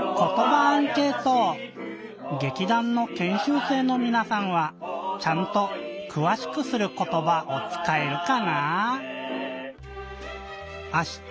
げきだんのけんしゅう生のみなさんはちゃんと「くわしくすることば」をつかえるかなぁ？